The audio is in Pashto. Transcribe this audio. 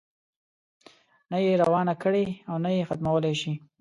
نه یې روانه کړې او نه یې ختمولای شي.